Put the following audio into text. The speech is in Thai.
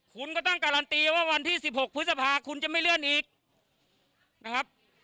คุณก็ต้องการันตีว่าวันที่๑๖พฤษภาคุณจะไม่เลื่อนอีกนะครับ